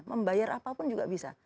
membayar apapun juga bisa